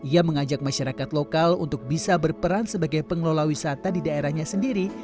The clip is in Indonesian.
ia mengajak masyarakat lokal untuk bisa berperan sebagai pengelola wisata di daerahnya sendiri